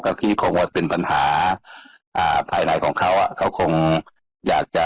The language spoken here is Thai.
ก็คิดคงว่าเป็นปัญหาอ่าภายในของเขาเขาคงอยากจะ